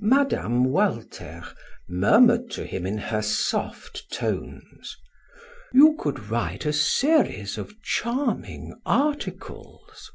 Mme. Walter murmured to him in her soft tones: "You could write a series of charming articles."